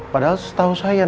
padahal setahu saya